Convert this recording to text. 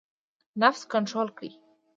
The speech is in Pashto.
نفس کنټرول کړئ